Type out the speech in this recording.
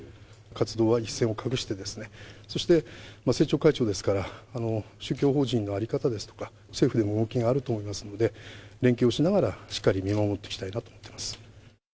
活動は一線を画して、そして政調会長ですから、宗教法人の在り方ですとか、政府でも動きがあると思いますので、連携をしながらしっかり見守っていきたいなと思っています。